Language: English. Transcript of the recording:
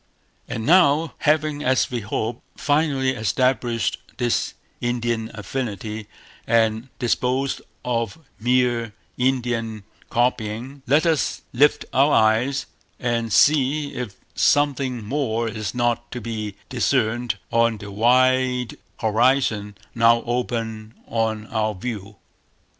And now, having, as we hope, finally established this Indian affinity, and disposed of mere Indian copying, let us lift our eyes and see if something more is not to be discerned on the wide horizon now open on our view.